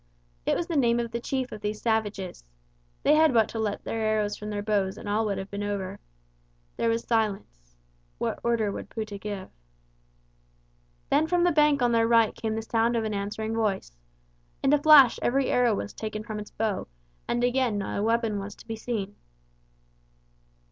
" It was the name of the chief of these savages. They had but to let the arrows from their bows and all would have been over. There was silence. What order would Pouta give? Then from the bank on their right came the sound of an answering voice. In a flash every arrow was taken from its bow, and again not a weapon was to be seen.